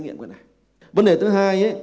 trong một chương trình